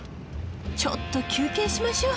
ちょっと休憩しましょう。